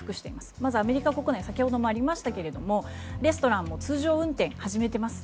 まずアメリカ国内先ほどもありましたがレストランも通常運転を始めています。